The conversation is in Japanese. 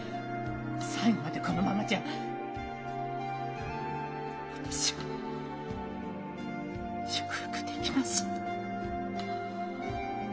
最後までこのままじゃ私は祝福できません。